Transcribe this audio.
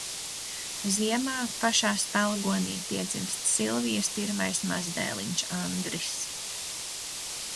Ziemā, pašā spelgonī piedzimst Silvijas pirmais mazdēliņš Andris.